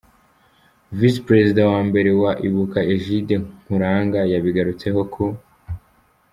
Visi Perezida wa mbere wa Ibuka, Egide Nkuranga, yabigarutseho ku .